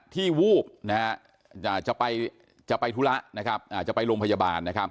วูบจะไปธุระจะไปโรงพยาบาล